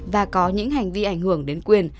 và có những hành vi ảnh hưởng đến quyền